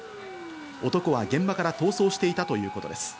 男は現場から逃走していたということです。